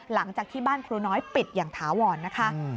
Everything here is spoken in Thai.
หลังจากที่บ้านครูน้อยปิดอย่างถาวรนะคะ